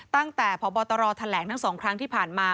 ตั้งแต่พบตรแถลงทั้ง๒ครั้งที่ผ่านมา